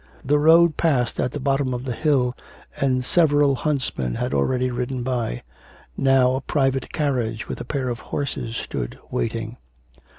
The road passed at the bottom of the hill and several huntsmen had already ridden by. Now a private carriage with a pair of horses stood waiting.